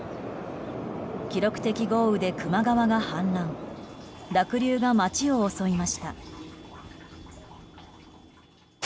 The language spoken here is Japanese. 記録的豪雨で球磨川が氾濫濁流が街を襲いました。